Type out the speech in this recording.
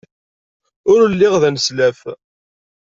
Ul lliɣ d aneslaf.